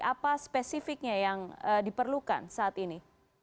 apa spesifiknya yang diperlukan saat ini